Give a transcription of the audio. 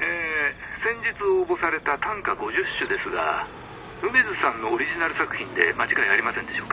え先日応募された短歌５０首ですが梅津さんのオリジナル作品で間違いありませんでしょうか？